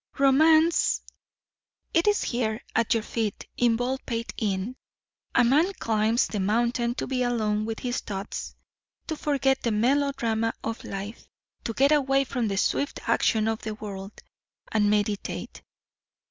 Romance it is here at your feet in Baldpate Inn. A man climbs the mountain to be alone with his thoughts, to forget the melodrama of life, to get away from the swift action of the world, and meditate.